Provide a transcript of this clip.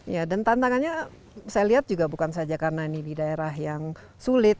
ya dan tantangannya saya lihat juga bukan saja karena ini di daerah yang sulit